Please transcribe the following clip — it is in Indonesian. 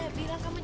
ya kita masih mati